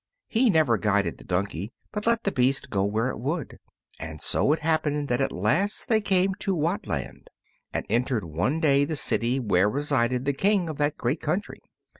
He never guided the donkey, but let the beast go where it would, and so it happened that at last they came to Whatland, and entered one day the city where resided the King of that great country.